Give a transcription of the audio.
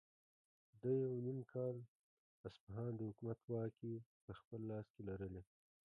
ده یو نیم کال اصفهان د حکومت واکې په خپل لاس کې لرلې.